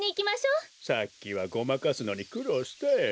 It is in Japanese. さっきはごまかすのにくろうしたよ。